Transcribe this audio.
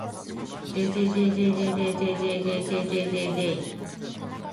jjjjjjjjjjjjjjjjj